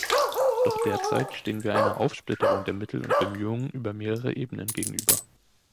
Doch derzeit stehen wir einer Aufsplitterung der Mittel und Bemühungen über mehrere Ebenen gegenüber.